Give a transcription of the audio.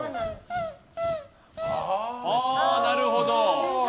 なるほど。